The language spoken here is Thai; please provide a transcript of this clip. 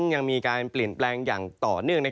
ยังมีการเปลี่ยนแปลงอย่างต่อเนื่อง